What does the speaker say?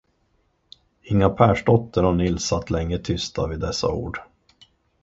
Inga Persdotter och Nils satt länge tysta vid dessa ord.